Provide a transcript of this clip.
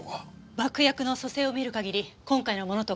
爆薬の組成を見る限り今回のものと酷似しています。